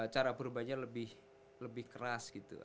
cara berubahnya lebih keras gitu